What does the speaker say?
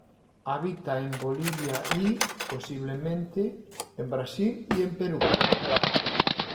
Habita en Bolivia y, posiblemente, en Brasil y en Perú.